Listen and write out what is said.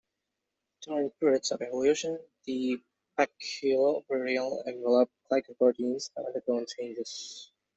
During periods of evolution, the baculoviral envelope glycoproteins have undergone changes.